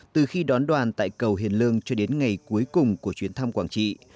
từ khi đón đoàn tại cầu hiền lương cho đến ngày cuối cùng của chuyến thăm quảng trị